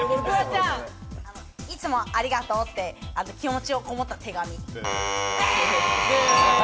いつもありがとうって気持ちのこもった手紙。